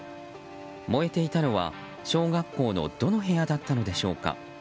燃えていたのは小学校のどの部屋だったのでしょうか。